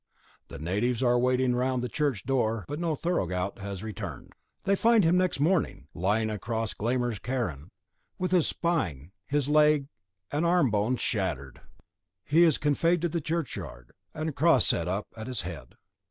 The natives are waiting round the church door, but no Thorgaut has returned. They find him next morning, lying across Glámr's cairn, with his spine, his leg, and arm bones shattered. He is conveyed to the churchyard, and a cross is set up at his head.